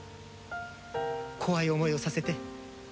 怖い思いをさせて。